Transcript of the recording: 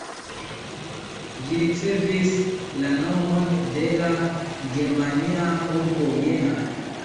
Ĝi ricevis la nomon de la germania urbo Jena.